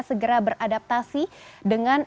segera beradaptasi dengan